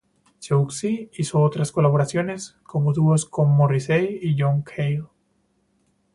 Siouxsie hizo otras colaboraciones, como dúos con Morrissey y John Cale.